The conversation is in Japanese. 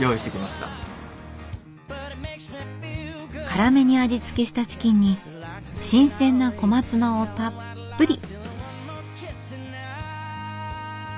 辛めに味付けしたチキンに新鮮な小松菜をたっぷり。